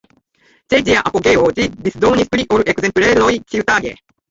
Ĉe ĝia apogeo, ĝi disdonis pli ol ekzempleroj ĉiutage.